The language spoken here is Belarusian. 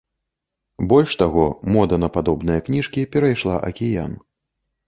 Больш таго, мода на падобныя кніжкі перайшла акіян.